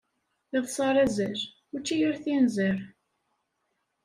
Iḍes ar azal, učči ar tinzar!